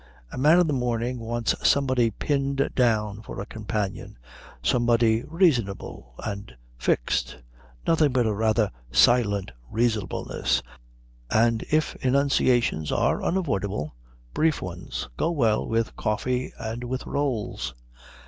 A man in the morning wants somebody pinned down for a companion, somebody reasonable and fixed. Nothing but a rather silent reasonableness, and if enunciations are unavoidable brief ones, go well with coffee and with rolls.